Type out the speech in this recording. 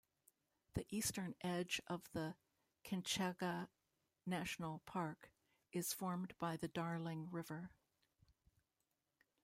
The eastern edge of the Kinchega National Park is formed by the Darling River.